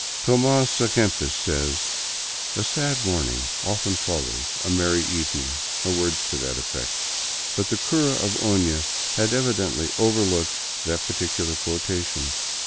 Tomas a Kempis says :" A sad morning often follows a merry evening," or words to that effect, but the cura of Ona had evidently overlooked that particular quotation.